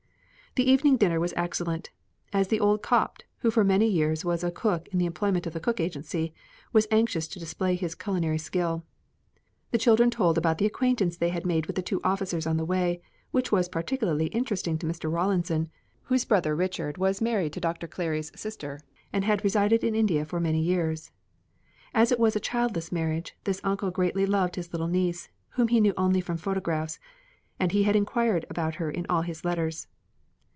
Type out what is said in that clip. The evening dinner was excellent, as the old Copt, who for many years was a cook in the employment of the Cook Agency, was anxious to display his culinary skill. The children told about the acquaintance they made with the two officers on the way, which was particularly interesting to Mr. Rawlinson, whose brother Richard was married to Dr. Clary's sister and had resided in India for many years. As it was a childless marriage, this uncle greatly loved his little niece, whom he knew only from photographs, and he had inquired about her in all his letters.